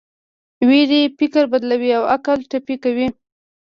ویرې فکر بدلوي او عقل ټپي کوي.